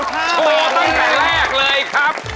เปิดเหรียญเลยครับ